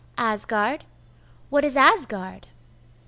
'Asgard? What is Asgard?